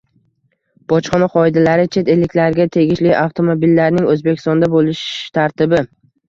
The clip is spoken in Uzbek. Bojxona qoidalari: Chet elliklarga tegishli avtomobillarning O‘zbekistonda bo‘lish tartibi